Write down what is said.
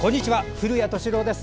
古谷敏郎です。